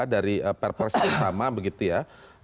dari persis sama begitu ya